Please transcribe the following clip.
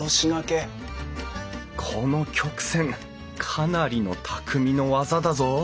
この曲線かなりの匠の技だぞ！